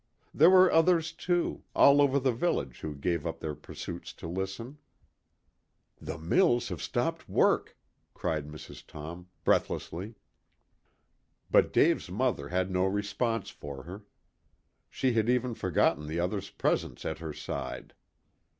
There were others, too, all over the village who gave up their pursuits to listen. "The mills have stopped work!" cried Mrs. Torn breathlessly. But Dave's mother had no response for her. She had even forgotten the other's presence at her side.